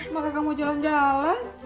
mak gak mau jalan jalan